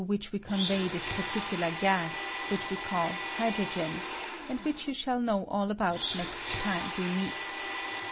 I; convey this particular gas, whicli we call hy drogen, and which you shall know all about next time we meet.